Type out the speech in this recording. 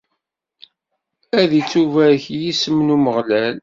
Ad ittubarek yisem n Umeɣlal.